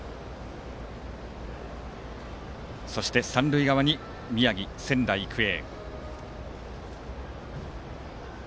そして三塁側に宮城・仙台育英。